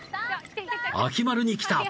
秋丸に来た！